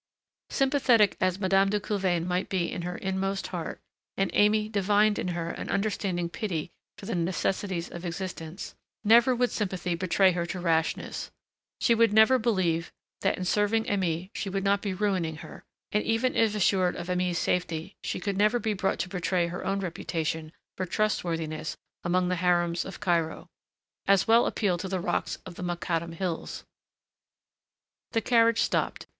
Sympathetic as Madame de Coulevain might be in her inmost heart and Aimée divined in her an understanding pity for the necessities of existence never would that sympathy betray her to rashness. She never would believe that in serving Aimée she would not be ruining her; and even if assured of Aimée's safety, she could never be brought to betray her own reputation for truthworthiness among the harems of Cairo.... As well appeal to the rocks of the Mokattam hills. The carriage stopped.